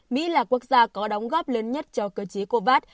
mỹ là quốc gia có đóng góp lớn nhất cho cơ chế covax